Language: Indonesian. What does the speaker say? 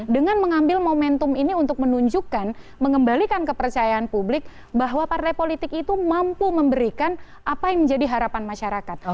dengan mengambil momentum ini untuk menunjukkan mengembalikan kepercayaan publik bahwa partai politik itu mampu memberikan apa yang menjadi harapan masyarakat